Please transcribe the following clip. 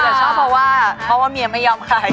แต่ชอบเพราะว่าเพราะว่าเมียไม่ยอมขาย